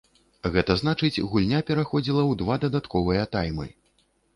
Гэта значыць гульня пераходзіла ў два дадатковыя таймы.